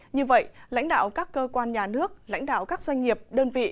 như vậy lãnh đạo các cơ quan nhà nước lãnh đạo các doanh nghiệp đơn vị